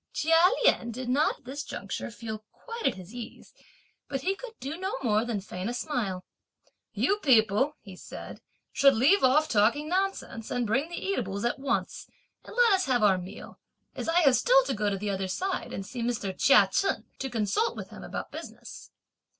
Chia Lien did not at this juncture feel quite at his ease, but he could do no more than feign a smile. "You people," he said, "should leave off talking nonsense, and bring the eatables at once and let us have our meal, as I have still to go on the other side and see Mr. Chia Chen, to consult with him about business."